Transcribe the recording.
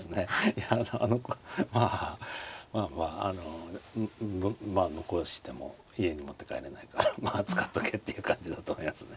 いやまあまあまああのまあ残しても家に持って帰れないからまあ使っとけっていう感じだと思いますね。